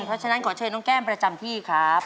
เพราะฉะนั้นขอเชิญน้องแก้มประจำที่ครับ